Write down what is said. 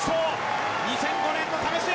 ２００５年の為末。